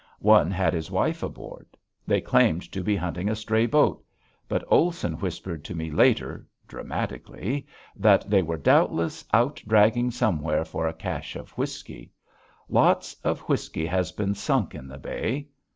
One had his wife aboard. They claimed to be hunting a stray boat, but Olson whispered to me later, dramatically, that they were doubtless out dragging somewhere for a cache of whiskey. Lots of whiskey has been sunk in the bay.